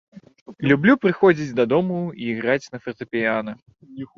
Люблю прыходзіць дадому і іграць на фартэпіяна.